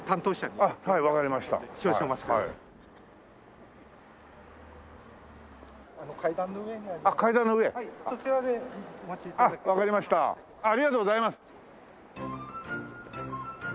ありがとうございます。